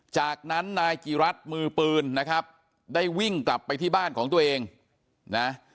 จากนั้นนายกิรัตน์มือปืนนะครับได้วิ่งกลับไปที่บ้านของตัวเองนะ